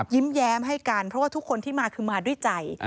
ยิ้มแย้มให้กันเพราะว่าทุกคนที่มาคือมาด้วยใจ